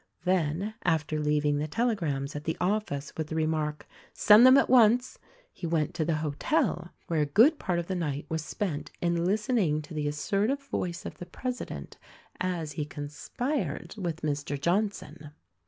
Then, after leaving the telegrams at the office with the remark, "Send them at once !" he went to the hotel, where a good part of the night was spent in listening to the assertive voice of the president as he conspired with Mr. Johnson.